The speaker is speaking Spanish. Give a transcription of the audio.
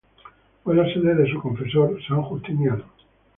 Fue la sede de su confesor, San Justiniano.